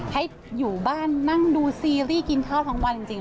ให้อยู่บ้านนั่งดูซีรีส์กินข้าวทั้งวันจริง